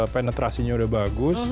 penetrasinya udah bagus